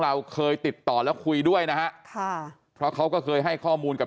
เราเคยติดต่อแล้วคุยด้วยนะฮะค่ะเพราะเขาก็เคยให้ข้อมูลกับ